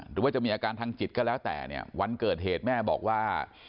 หรือว่าจะมีอาการทางจิตก็แล้วแต่เนี่ยวันเกิดเหตุแม่บอกว่า